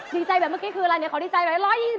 ดีใจแบบเมื่อกี้คืออะไรเนี่ยขอดีใจไหม